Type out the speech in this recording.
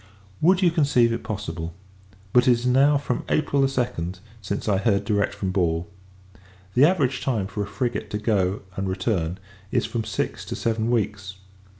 Would you conceive it possible! but, it is now from April 2d, since I have heard direct from Ball. The average time for a frigate to go, and return, is from six to seven weeks.